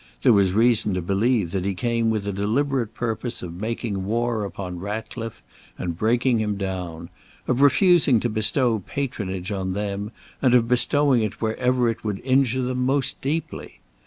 There was reason to believe that he came with a deliberate purpose of making war upon Ratcliffe and breaking him down; of refusing to bestow patronage on them, and of bestowing it wherever it would injure them most deeply.